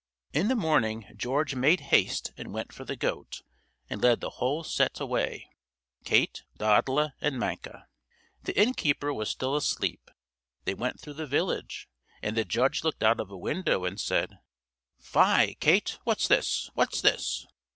In the morning George made haste and went for the goat, and led the whole set away Kate Dodla, and Manka. The innkeeper was still asleep. They went through the village, and the judge looked out of a window and said, "Fie, Kate! what's this? what's this?"